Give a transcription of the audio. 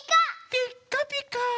ピッカピカ。